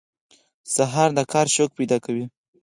سهار د کار شوق پیدا کوي.